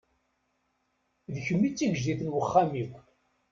D kemm i d tigejdit n uxxam-iw.